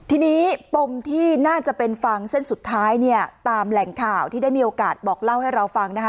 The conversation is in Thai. ทีนี้ปมที่น่าจะเป็นฟังเส้นสุดท้ายเนี่ยตามแหล่งข่าวที่ได้มีโอกาสบอกเล่าให้เราฟังนะคะ